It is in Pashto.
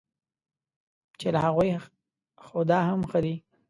چې له هغوی خو دا هم ښه دی.